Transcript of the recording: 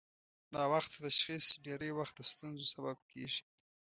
ناوخته تشخیص ډېری وخت د ستونزو سبب کېږي.